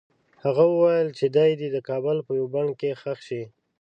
هغه وویل چې دی دې د کابل په یوه بڼ کې ښخ شي.